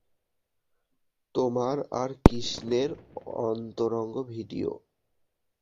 তোমার আর কৃষ্ণের অন্তরঙ্গ ভিডিও।